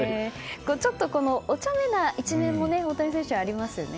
ちょっとおちゃめな一面も大谷選手、ありますよね。